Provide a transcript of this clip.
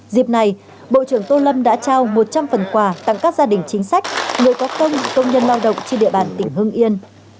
dịp này bộ trưởng tô lâm đã trao một trăm linh phần quà tặng các gia đình chính sách người có công công nhân lao động trên địa bàn tỉnh hưng yên